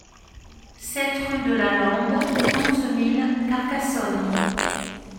sept rue de la Lande, onze mille Carcassonne